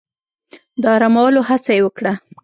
د آرامولو هڅه يې وکړه.